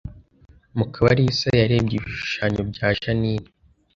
Mukabarisa yarebye ibishushanyo bya Jeaninne